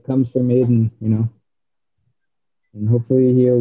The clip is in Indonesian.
dan semoga dia bekerja keras